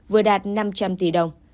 vừa đạt năm trăm linh tỷ đồng